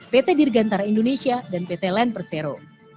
pt dirgantara indonesia dan pt land persero